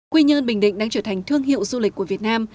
quy nhơn bình định đang trở thành thương hiệu du lịch của việt nam